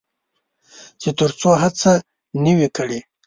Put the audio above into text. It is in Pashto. چې تر څو هڅه نه وي کړې.